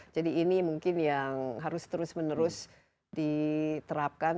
jadi ini mungkin yang harus terus menerus diterapkan